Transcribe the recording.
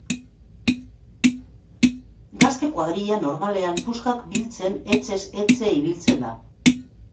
Gazte kuadrilla normalean puskak biltzen etxez etxe ibiltzen da.